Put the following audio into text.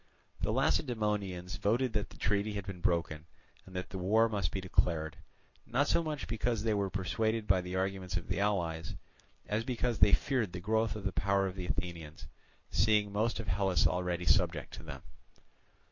The Lacedaemonians voted that the treaty had been broken, and that the war must be declared, not so much because they were persuaded by the arguments of the allies, as because they feared the growth of the power of the Athenians, seeing most of Hellas already subject to them.